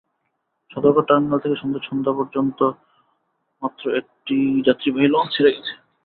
Sadarghat terminal থেকে সন্ধ্যা পর্যন্ত মাত্র একটি যাত্রীবাহী লঞ্চ ছেড়ে গেছে।